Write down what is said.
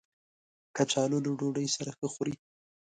کچالو له ډوډۍ سره ښه خوري